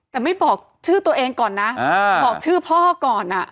แต่ไม่บอกชื่อตัวเองก่อนนะบอกชื่อพ่อก่อน